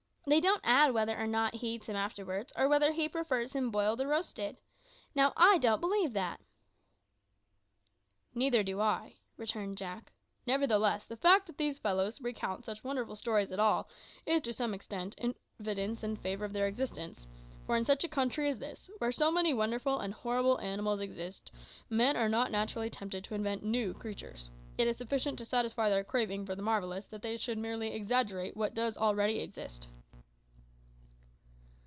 They don't add whether or not he eats him afterwards, or whether he prefers him boiled or roasted. Now, I don't believe that." "Neither do I," returned Jack; "nevertheless the fact that these fellows recount such wonderful stories at all, is, to some extent, evidence in favour of their existence: for in such a country as this, where so many wonderful and horrible animals exist, men are not naturally tempted to invent new creatures; it is sufficient to satisfy their craving for the marvellous that they should merely exaggerate what does already exist."